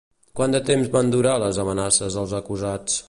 Quant de temps van durar les amenaces als acusats?